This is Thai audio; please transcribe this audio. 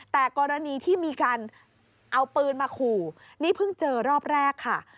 แต่กรณีที่มีการเอาปืนมาขู่นี่เพิ่งเจอรอบแรกค่ะ